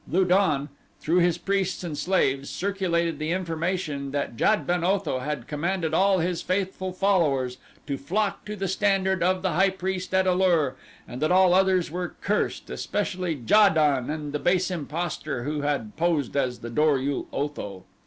Lu don, through his priests and slaves, circulated the information that Jad ben Otho had commanded all his faithful followers to flock to the standard of the high priest at A lur and that all others were cursed, especially Ja don and the base impostor who had posed as the Dor ul Otho.